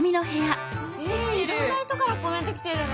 いろんな人からコメント来てるね！